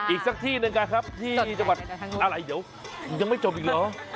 อีกสักที่หนึ่งกันครับที่จังหวัดอะไรเดี๋ยวยังไม่จบอีกเหรอ